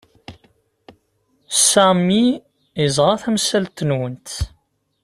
Sami yeẓra tamsalt-nwent.